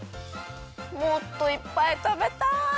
もっといっぱいたべたい！